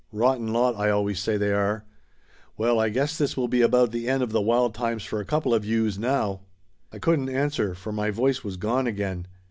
Rotten lot, I always say they are. Well, I guess this will be about the end of the wild times for a couple of youse, now!" I couldn't answer, for my voice was gone again.